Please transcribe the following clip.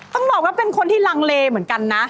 ต้องบอกว่าเป็นคนที่ลังเลเหมือนกันนะ